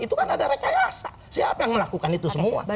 itu kan ada rekayasa siapa yang melakukan itu semua